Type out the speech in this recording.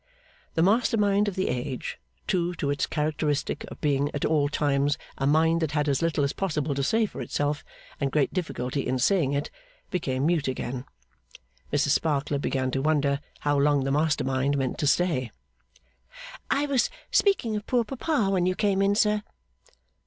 The master mind of the age, true to its characteristic of being at all times a mind that had as little as possible to say for itself and great difficulty in saying it, became mute again. Mrs Sparkler began to wonder how long the master mind meant to stay. 'I was speaking of poor papa when you came in, sir.